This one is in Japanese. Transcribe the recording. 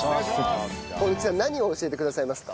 大貫さん何を教えてくださいますか？